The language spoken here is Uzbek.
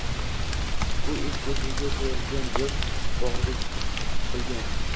U es ko’ziga to’lgan yosh bo’g’ziga tiqilgan